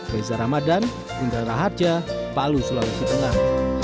reza ramadan indra raharja palu sulawesi tengah